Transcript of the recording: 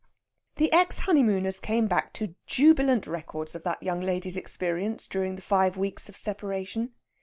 The ex honeymooners came back to jubilant records of that young lady's experience during the five weeks of separation.